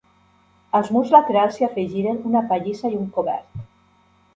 Als murs laterals s'hi afegiren una pallissa i un cobert.